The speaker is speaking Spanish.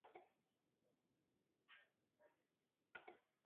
La escena final muestra a David, quien cambió su nombre nuevamente a Chris Ames.